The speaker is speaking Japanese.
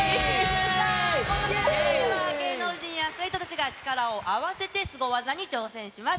芸能人やアスリートたちが力を合わせてスゴ技に挑戦します。